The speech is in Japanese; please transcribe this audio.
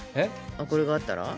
あっこれがあったら？